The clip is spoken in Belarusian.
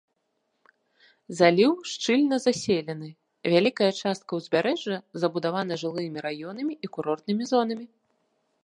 Заліў шчыльна заселены, вялікая частка ўзбярэжжа забудавана жылымі раёнамі і курортнымі зонамі.